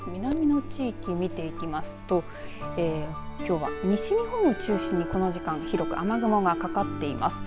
南の地域見ていきますときょうは西日本を中心にこの時間広く雨雲がかかっています。